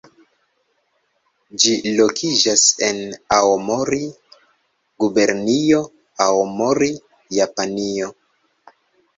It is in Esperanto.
Ĝi lokiĝas en Aomori, Gubernio Aomori, Japanio.